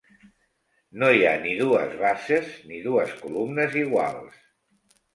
No hi ha ni dues bases ni dues columnes iguals.